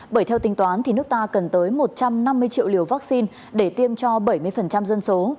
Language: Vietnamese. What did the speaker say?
bởi theo tính toán thì nước ta cần tới một trăm năm mươi triệu liều vaccine để tiêm cho bảy mươi dân số